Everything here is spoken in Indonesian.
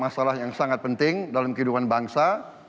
masalah yang sangat penting dalam kehidupan bangsa